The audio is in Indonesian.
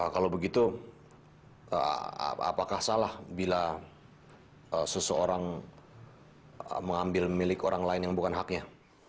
kalau begitu apakah salah bila seseorang mengambil milik orang lain yang bukan haknya